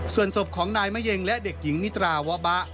ส่วนศพของนายมะเย็งและเด็กหญิงมิตราวะบะ